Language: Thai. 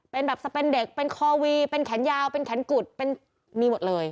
เป็นแบบสเปนเด็กเป็นคอวีเป็นแขนยาวเป็นแขนกุดเป็นมีหมดเลย